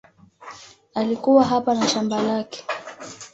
Alikuwa hapa na shamba lake.